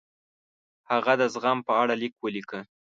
هغه د زغم په اړه لیک ولیکه.